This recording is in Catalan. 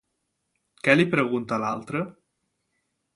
Què li pregunta l'altre?